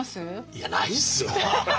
いやないですよ。